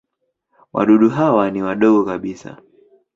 Wadudu hawa ni wadogo kabisa.